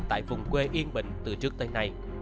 tại vùng quê yên bình từ trước tới nay